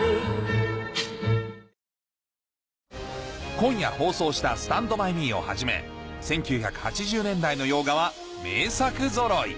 今夜放送した『スタンド・バイ・ミー』をはじめ１９８０年代の洋画は名作ぞろい